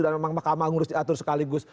dan memang makam agung harus diatur sekaligus